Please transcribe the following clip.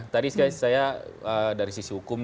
tadi saya dari sisi hukum